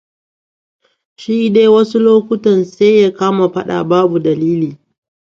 Shi dai wasu lokutan sai ya kama fada babu dalili.